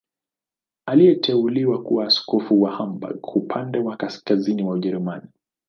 Aliteuliwa kuwa askofu wa Hamburg, upande wa kaskazini wa Ujerumani.